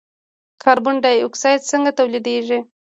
کاربن ډای اکساید څنګه تولیدیږي.